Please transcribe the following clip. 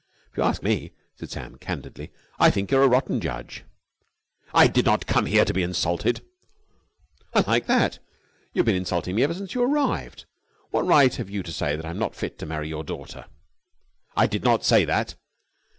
"If you ask me," said Sam candidly, "I think you're a rotten judge." "I did not come here to be insulted!" "I like that! You have been insulting me ever since you arrived. What right have you to say that I'm not fit to marry your daughter?" "I did not say that."